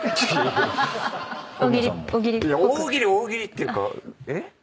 「大喜利大喜利」っていうかえっ？